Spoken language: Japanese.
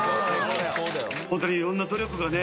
「ホントに色んな努力がね。